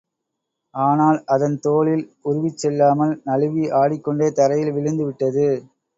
ஆனால், அதன் தோலில் ஊருவிச் செல்லாமல், நழுவி, ஆடிக்கொண்டே தரையில் விழுந்து விட்டது.